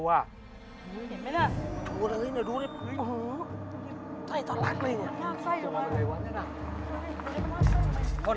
ใส่ต่อลักเลย